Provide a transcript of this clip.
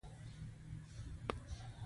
د حیواناتو داسې ډولونه نه وو چې اهلي شي.